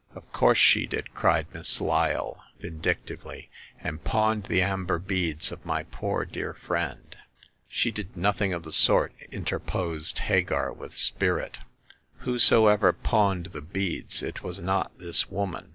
Of course she did !" cried Miss Lyle, vin dictively— and pawned the amber beads of my poor dear friend !"She did nothing of the sort !" interposed Hagar, with spirit. Whosoever pawned the beads, it was not this woman.